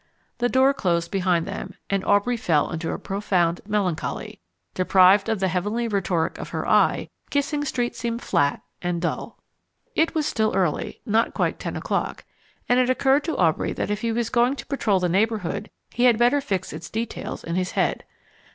The door closed behind them, and Aubrey fell into a profound melancholy. Deprived of the heavenly rhetoric of her eye, Gissing Street seemed flat and dull. It was still early not quite ten o'clock and it occurred to Aubrey that if he was going to patrol the neighbourhood he had better fix its details in his head.